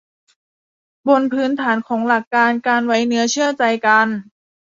บนพื้นฐานของหลักการการไว้เนื้อเชื่อใจกัน